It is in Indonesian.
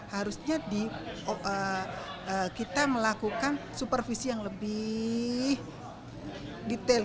harusnya kita melakukan supervisi yang lebih detail